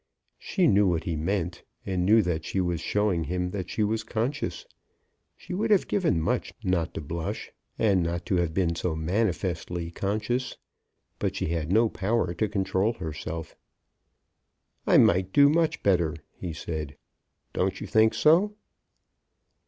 She knew what he meant, and knew that she was showing him that she was conscious. She would have given much not to blush, and not to have been so manifestly conscious, but she had no power to control herself. "I might do much better," he said. "Don't you think so?"